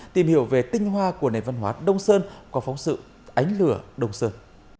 tìm hiểu về tinh hoa của nền văn hóa đông sơn qua phóng sự ánh lửa đông sơn